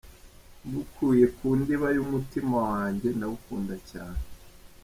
Mbikuye ku ndiba y’umutima wanjye, ndagukunda cyane!".